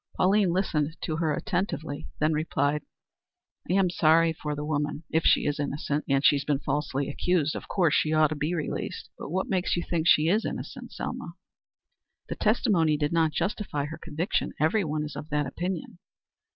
Pauline listened to her attentively, then replied: "I am sorry for the woman, if she is innocent: and if she has been falsely accused, of course she ought to be released. But what makes you think she is innocent, Selma?" "The testimony did not justify her conviction. Every one is of that opinion."